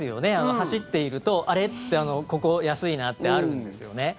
走っているとあれ、ここ安いなってあるんですよね。